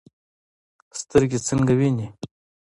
سترګې څنګه ویني؟